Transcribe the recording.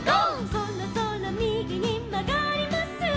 「そろそろひだりにまがります」